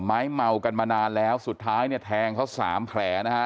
เมากันมานานแล้วสุดท้ายเนี่ยแทงเขาสามแผลนะฮะ